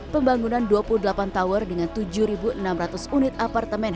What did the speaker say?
pembangunan dua puluh delapan tower dengan tujuh enam ratus unit apartemen